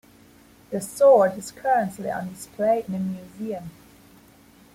The sword is currently on display in a museum.